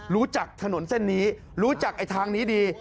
รู้จักถนนเส้นนี้รู้จักไอ้ทางนี้ดี